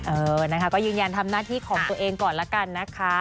เออนะคะก็ยืนยันทำหน้าที่ของตัวเองก่อนละกันนะคะ